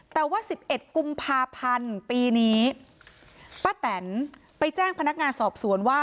แต่ว่า๑๑กุมภาพันธ์ปีนี้ป้าแตนไปแจ้งพนักงานสอบสวนว่า